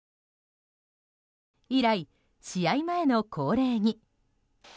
以来、試合前の恒例に。